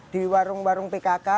di warung warung pkk